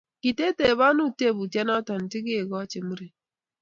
kotitebeno tebutyenoto ntikochi muren?